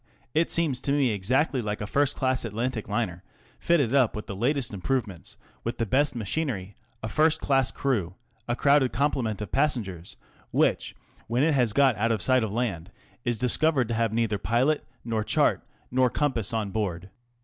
" It seems to me exactly like a first class Atlantic liner, fitted up with the latest improvements, with the best machinery, a first class crew, a crowded complement of passengers, which, when it has got out of sight of land, is discovered to have neither pilot, nor chart, nor compass on board.